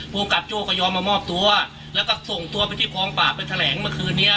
ภูมิกับโจ้ก็ยอมมามอบตัวแล้วก็ส่งตัวไปที่กองปราบไปแถลงเมื่อคืนนี้